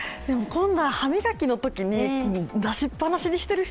歯磨きのときに出しっぱなしにしてる人